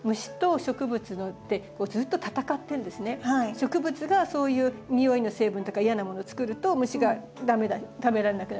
植物がそういう匂いの成分とか嫌なものをつくると虫が食べられなくなるでしょ？